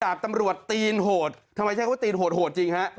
ดาบตำรวจตีนโหดทำไมใช่ว่าตีนโหดโหดจริงฮะ